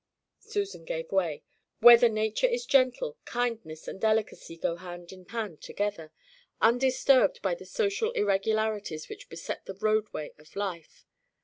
Susan gave way. Where the nature is gentle, kindness and delicacy go hand in hand together, undisturbed by the social irregularities which beset the roadway of life.